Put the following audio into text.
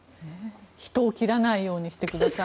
人を切らないようにしてください。